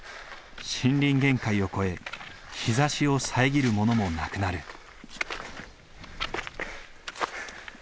森林限界を越え日ざしを遮るものもなくなる。